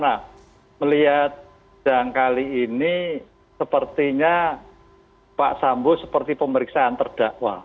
nah melihat sedang kali ini sepertinya pak sambo seperti pemeriksaan terdakwa